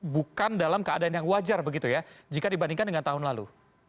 bukan dalam keadaan yang wajar begitu ya jika dibandingkan dengan tahun lalu